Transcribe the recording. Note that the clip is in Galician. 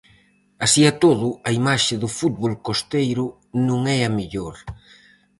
Así e todo, a imaxe do fútbol costeiro non é a mellor.